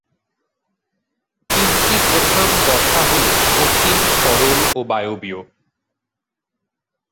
তিনটি প্রধান দশা হল কঠিন, তরল ও বায়বীয়।